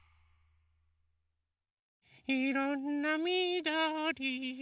いろんなみどり。